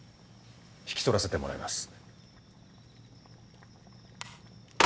引き取らせてもらいます。